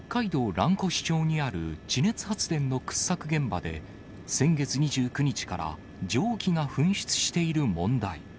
蘭越町にある地熱発電の掘削現場で先月２９日から蒸気が噴出している問題。